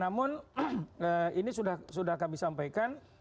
namun ini sudah kami sampaikan